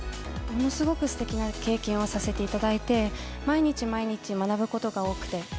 ものすごくすてきな経験をさせていただいて、毎日毎日学ぶことが多くて。